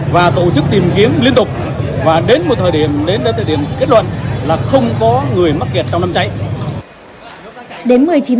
và tổ chức tìm kiếm liên tục và đến một thời điểm kết luận là không có người mắc kẹt trong năm cháy